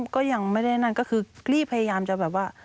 ก็ยังไม่ได้นั่นก็คือรีบพยายามจะแบบว่า